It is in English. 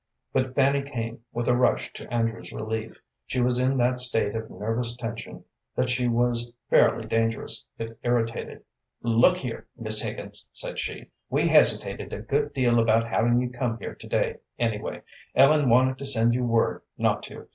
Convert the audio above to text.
But Fanny came with a rush to Andrew's relief. She was in that state of nervous tension that she was fairly dangerous if irritated. "Look here, Miss Higgins," said she. "We hesitated a good deal about havin' you come here to day, anyway. Ellen wanted to send you word not to.